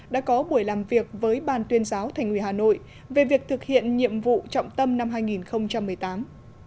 đã có buổi làm việc với ban tuyên giáo thành ủy hà nội về việc thực hiện nhiệm vụ trọng tâm năm hai nghìn một mươi tám